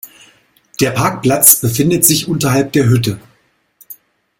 Der Parkplatz befindet sich unterhalb der Hütte.